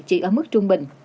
chỉ ở mức trung bình